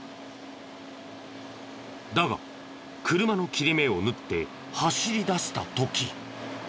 だが車の切れ目を縫って走りだした時。